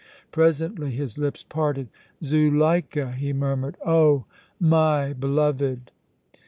Presently his lips parted. "Zuleika!" he murmured. "Oh! my beloved!"